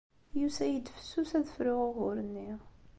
Yusa-iyi-d fessus ad fruɣ ugur-nni.